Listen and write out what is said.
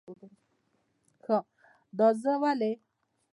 دا زه ولی؟